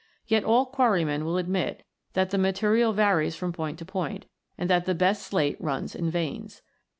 Yet all quarrymen will admit that the material varies from point to point, and that the best slate runs in "veins.'